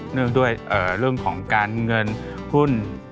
เรื่องด้วยเรื่องของการเงินหุ้น